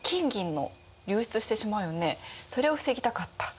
それを防ぎたかった。